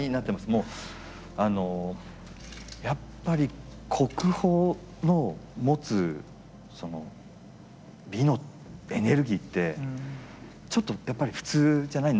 もうあのやっぱり国宝の持つその美のエネルギーってちょっとやっぱり普通じゃない。